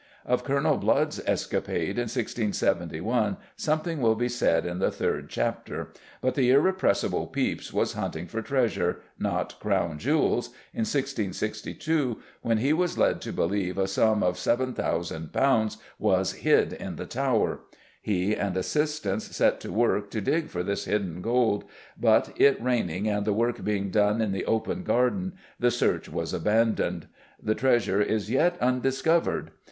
Of Colonel Blood's escapade in 1671 something will be said in the third chapter, but the irrepressible Pepys was hunting for treasure not Crown jewels in 1662 when he was led to believe a sum of £7000 was "hid in the Tower." He and assistants set to work to dig for this hidden gold, but "it raining and the work being done in the open garden" the search was abandoned. The treasure is yet undiscovered.